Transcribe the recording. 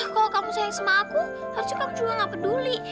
kalo kamu sayang sama aku harusnya kamu juga gak peduli